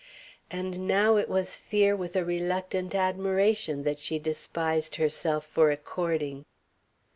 And now it was fear with a reluctant admiration that she despised herself for according.